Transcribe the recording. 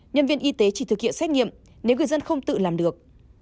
nhân viên y tế chỉ thực hiện xét nghiệm nếu người dân không tự làm được